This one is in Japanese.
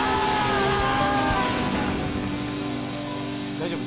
大丈夫？